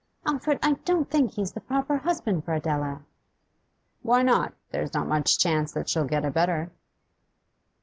'Alfred, I don't think he's the proper husband for Adela.' 'Why not? There's not much chance that she'll get a better.